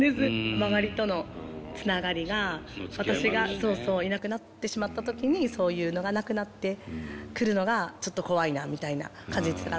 周りとのつながりが私がいなくなってしまった時にそういうのがなくなってくるのがちょっと怖いなみたいな感じてたから。